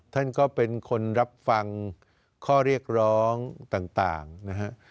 ท่านก็เป็นคนรับฟังข้อเรียกร้องต่างนะฮะ